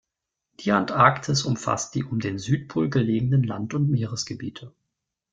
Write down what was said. Die Antarktis umfasst die um den Südpol gelegenen Land- und Meeresgebiete.